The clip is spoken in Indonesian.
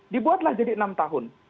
dibuatlah jadi enam tahun